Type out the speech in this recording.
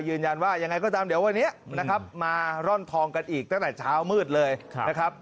ยืนยันว่ายังไงก็ตามเดี๋ยววันนี้นะครับมาร่อนทองกันอีกตั้งแต่เช้ามืดเลยนะครับ